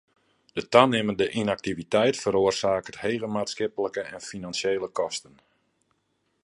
De tanimmende ynaktiviteit feroarsaket hege maatskiplike en finansjele kosten.